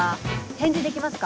返事できますか？